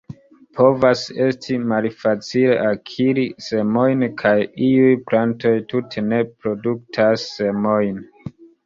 Povas esti malfacile akiri semojn, kaj iuj plantoj tute ne produktas semojn.